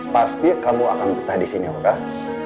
pasti kamu akan betah disini orang